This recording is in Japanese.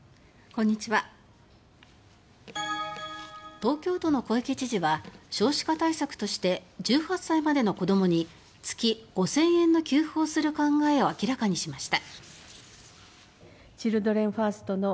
東京都の小池知事は少子化対策として１８歳までの子どもに月５０００円の給付をする考えを明らかにしました。